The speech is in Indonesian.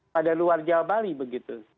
pada luar jawa bali begitu